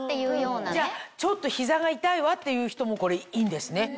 じゃあちょっと膝が痛いわっていう人もこれいいんですね。